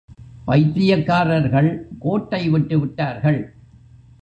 பைத்தியக்காரர்கள் கோட்டை விட்டு விட்டார்கள்!.